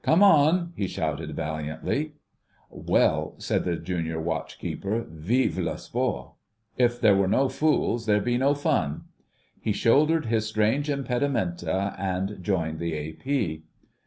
"Come on," he shouted valiantly. "Well," said the Junior Watch keeper, "Vive le sport! If there were no fools there'd be no fun." He shouldered his strange impedimenta and joined the A.P.